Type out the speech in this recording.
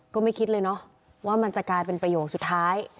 ก็ไม่คิดเลยเนาะว่ามันจะกลายเป็นประโยคสุดท้าย